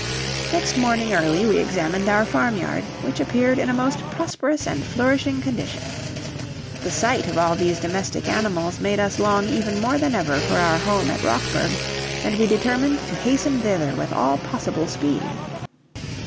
Next morning early we examined our farmyard, which appeared in a most prosperous and flourishing condition. The sight of all these domestic animals made us long even more than ever for our home at Rockburg, and we determined to hasten thither with all possible speed.